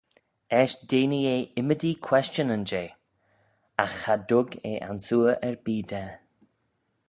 "Eisht denee eh ymmodee questionyn jeh; agh cha dug eh ansoor erbee da."